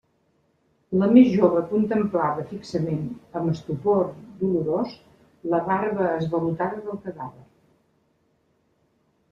La més jove contemplava fixament, amb estupor dolorós, la barba esvalotada del cadàver.